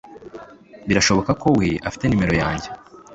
Birashoboka ko we afite nimero yanjye